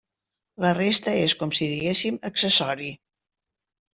La resta és com si diguéssim accessori.